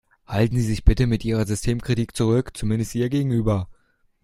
Halten Sie sich bitte mit Ihrer Systemkritik zurück, zumindest ihr gegenüber.